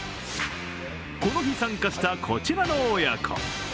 この日、参加したこちらの親子。